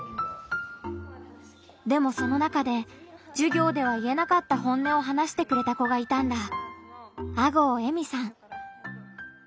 でもその中で授業では言えなかった本音を話してくれた子がいたんだ。